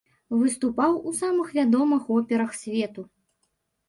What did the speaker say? Выступаў у самых вядомых операх свету.